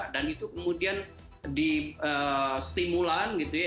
dan itu kemudian di stimulan gitu ya